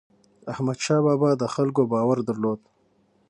احمدشاه بابا د خلکو باور درلود.